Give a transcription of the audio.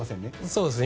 そうですね。